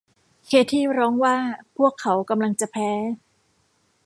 เคธี่ร้องว่าพวกเขากำลังจะแพ้